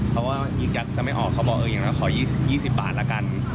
เขาว่าอีกยักษ์จะไม่ออกเขาบอกเอออย่างนั้นขอ๒๐บาทละกัน